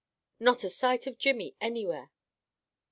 Not a sight of Jimmy anywhere!